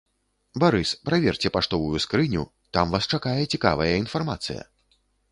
Барыс, праверце паштовую скрыню, там вас чакае цікавая інфармацыя!